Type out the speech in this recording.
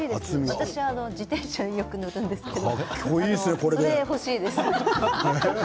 私、自転車によく乗るんですけれども、それ欲しいです。